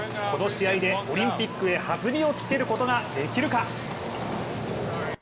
この試合でオリンピックへはずみをつけることができるか。